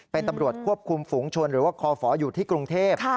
เป็นตำรวจควบคุมฝูงชนหรือว่าคอฝอยู่ที่กรุงเทพ